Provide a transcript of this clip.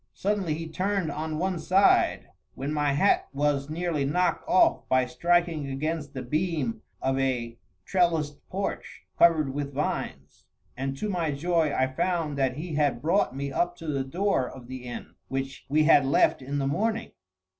Suddenly he turned on one side, when my hat was nearly knocked off by striking against the beam of a trellised porch, covered with vines; and to my joy I found that he had brought me up to the door of the inn which we had left in the morning.